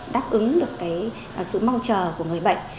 đáp ứng được sự mong chờ của người bệnh